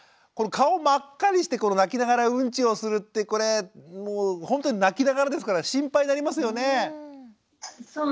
顔を真っ赤にして泣きながらウンチをするってこれもうほんとに泣きながらですから心配になりますよね？